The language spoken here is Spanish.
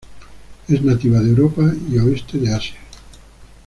Es nativa de Europa y oeste de Asia.